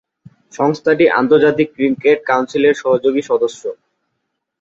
সংস্থাটি আন্তর্জাতিক ক্রিকেট কাউন্সিলের সহযোগী সদস্য।